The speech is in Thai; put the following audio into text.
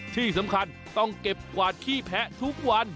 ที่สำคัญต้องเก็บกวาดขี้แพะทุกวัน